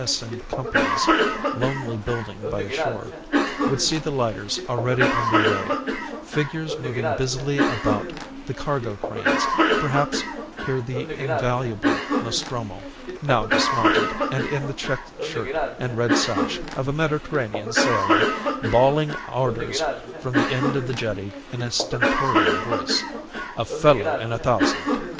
S.N. Company's lonely building by the shore, would see the lighters already under way, figures moving busily about the cargo cranes, perhaps hear the invaluable Nostromo, now dismounted and in the checked shirt and red sash of a Mediterranean sailor, bawling orders from the end of the jetty in a stentorian voice. A fellow in a thousand!